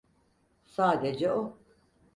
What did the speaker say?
Sadece o.